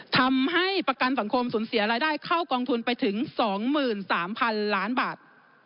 ทำให้ประกันสังคมสูญเสียรายได้เข้ากองทุนไปถึง๒๓๐๐๐ล้านบาท